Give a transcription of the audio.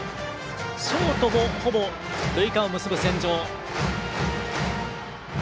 ショートもほぼ塁間を結ぶ線上。